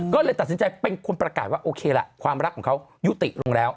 ก็เลยตัดสินใจเป็นคนประกาศว่าโอเคล่ะความรักของเขายุติลงแล้ว